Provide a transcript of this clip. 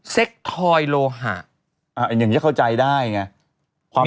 ซทอยโลหะอาอย่างนี้เข้าใจได้ไง